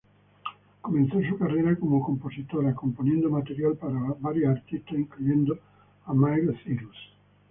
Comenzó su carrera como compositora, componiendo material para varios artistas incluyendo a Miley Cyrus.